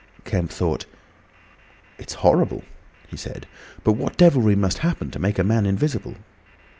Kemp thought. "It's horrible," he said. "But what devilry must happen to make a man invisible?"